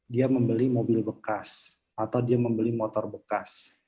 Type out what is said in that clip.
dia membeli mobil bekas atau dia membeli motor bekas